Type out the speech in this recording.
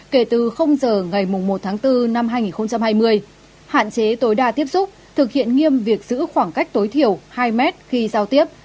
kể từ giờ ngày một tháng bốn năm hai nghìn hai mươi hạn chế tối đa tiếp xúc thực hiện nghiêm việc giữ khoảng cách tối thiểu hai mét khi giao tiếp